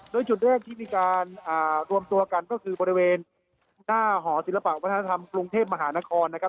โดยจุดแรกที่มีการรวมตัวกันก็คือบริเวณหน้าหอศิลปะวัฒนธรรมกรุงเทพมหานครนะครับ